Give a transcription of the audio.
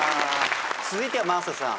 続いては真麻さん。